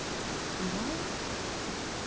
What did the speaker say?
似顔絵？